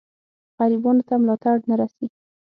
غریبانو ته ملاتړ نه رسي.